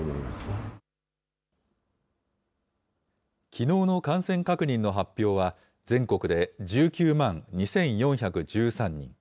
きのうの感染確認の発表は、全国で１９万２４１３人。